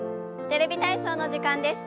「テレビ体操」の時間です。